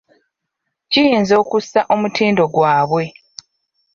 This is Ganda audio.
Kiyinza okussa omutindo gwabwe.